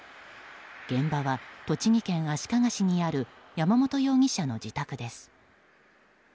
現場は栃木県足利市にある山本容疑者の自宅です。